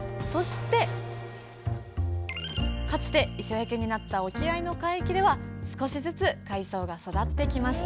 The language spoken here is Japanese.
かつて磯焼けになった沖合の海域では少しずつ海藻が育ってきました